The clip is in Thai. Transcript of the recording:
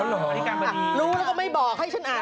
รู้แล้วก็ไม่บอกให้ฉันอ่าน